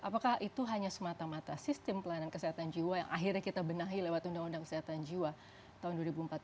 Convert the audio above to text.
apakah itu hanya semata mata sistem pelayanan kesehatan jiwa yang akhirnya kita benahi lewat undang undang kesehatan jiwa tahun dua ribu empat belas